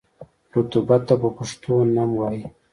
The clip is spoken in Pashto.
رطوبت ته په پښتو نم وايي.